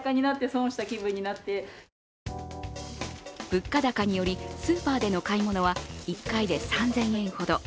物価高により、スーパーでの買い物は１回で３０００円ほど。